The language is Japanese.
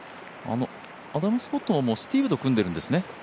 アダム・スコットもスティーブと組んでるんですね。